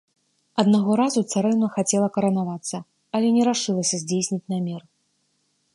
Аднаго разу царэўна хацела каранавацца, але не рашылася здзейсніць намер.